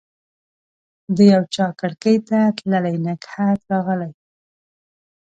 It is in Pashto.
د یوچا کړکۍ ته تللي نګهت راغلی